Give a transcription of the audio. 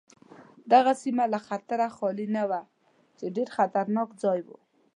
دغه سیمه له خطره خالي نه وه چې ډېر خطرناک ځای و.